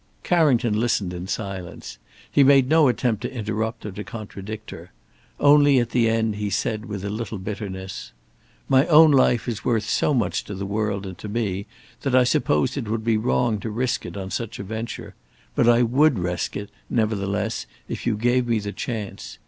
Carrington listened in silence. He made no attempt to interrupt or to contradict her. Only at the end he said with a little bitterness: "My own life is worth so much to the world and to me, that I suppose it would be wrong to risk it on such a venture; but I would risk it, nevertheless, if you gave me the chance.